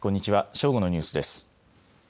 正午のニュースです。